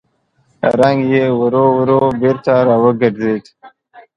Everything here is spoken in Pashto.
رنګ يې ورو ورو بېرته راوګرځېد.